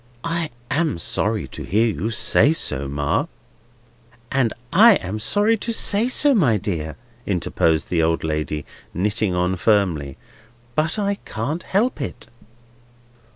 "I am sorry to hear you say so, Ma—" "I am sorry to say so, my dear," interposed the old lady, knitting on firmly, "but I can't help it."